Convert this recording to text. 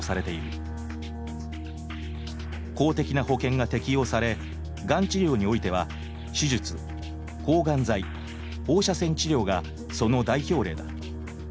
公的な保険が適用されがん治療においては手術抗がん剤放射線治療がその代表例だ。